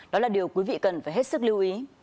đó là điều quý vị cần phải hết sức lưu ý